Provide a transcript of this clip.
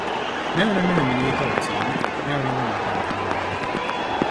ne oneno nyamin gi ka oting' ne oringo nyaka e odgi